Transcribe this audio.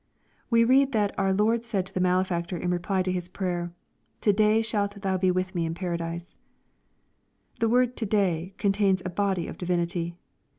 We read that our Lord said to the malefactor in reply to his prayer, " To day shalt thou be with me in paradise.'' That word "to day" contains a body of divinity.